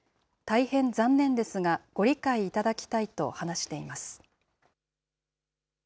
大変残念ですが、ご理解いただきたいと話しています。